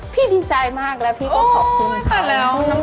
พี่ดีใจมากแล้วพี่ก็ขอบคุณค่ะ